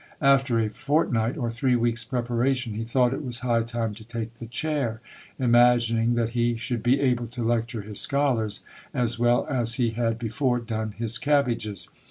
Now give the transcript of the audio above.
After a fort night or three weeks' preparation, he thought it was high time to take the chair; imagining that he should be able to lecture his scholars as well as he had before done his cabbages.